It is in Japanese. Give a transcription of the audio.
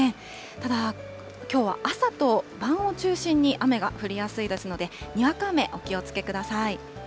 ただ、きょうは朝と晩を中心に、雨が降りやすいですので、にわか雨、お気をつけください。